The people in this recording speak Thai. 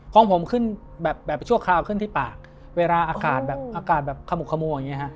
ของผมขึ้นแบบชั่วคราวขึ้นที่ปากเวลาอากาศแบบอากาศแบบขมุกขมัวอย่างนี้ฮะ